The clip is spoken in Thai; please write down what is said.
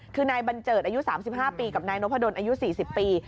คือนายบัญเจิดอายุ๓๕ปีกับนายนพดลอายุ๔๐ปี